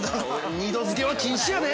◆２度づけは禁止やで！